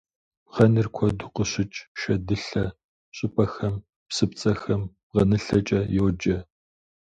Бгъэныр куэду къыщыкӏ шэдылъэ щӏыпӏэхэм, псыпцӏэхэм бгъэнылъэкӏэ йоджэ.